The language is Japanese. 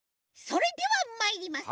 それではまいります！